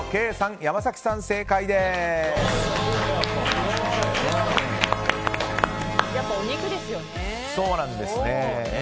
やっぱりお肉ですよね。